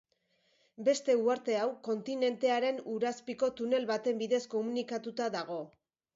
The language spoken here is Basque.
Beste uharte hau kontinentearen ur-azpiko tunel baten bidez komunikatuta dago.